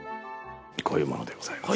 こういう者でございます。